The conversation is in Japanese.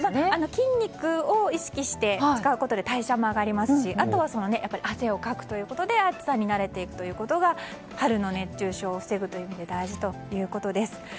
筋肉を意識して使うことで代謝も上がりますし、あとは汗をかくということで暑さに慣れていくのが春の熱中症を防ぐために大事ということです。